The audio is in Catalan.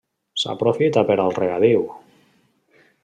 S'aprofita per al regadiu.